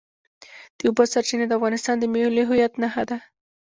د اوبو سرچینې د افغانستان د ملي هویت نښه ده.